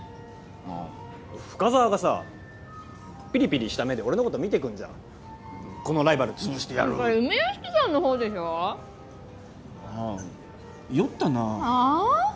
深沢がさピリピリした目で俺のこと見てくんじゃんこのライバル潰してやるってそれ梅屋敷さんの方でしょ？はあ酔ったなあはあ？